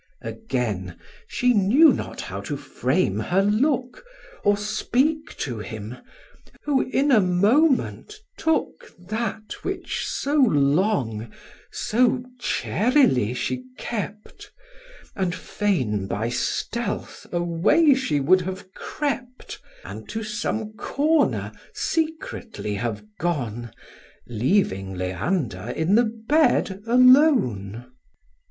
Again, she knew not how to frame her look, Or speak to him, who in a moment took That which so long, so charily she kept; And fain by stealth away she would have crept, And to some corner secretly have gone, Leaving Leander in the bed alone.